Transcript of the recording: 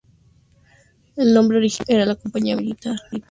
El nombre original de la Compañía era "La Compañía Militar de Massachusetts".